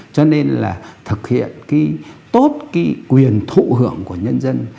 cho nên là thực hiện cái tốt cái quyền thụ hưởng của nhân dân